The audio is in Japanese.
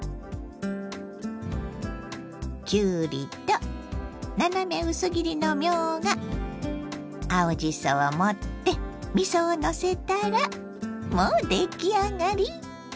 きゅうりと斜め薄切りのみょうが青じそを盛ってみそをのせたらもう出来上がり！